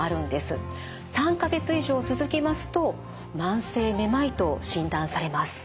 ３か月以上続きますと慢性めまいと診断されます。